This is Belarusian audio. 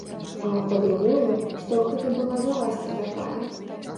А, па-другое, што б гэта была за ласка такая?